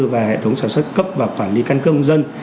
và hệ thống sản xuất cấp và quản lý căn cước công dân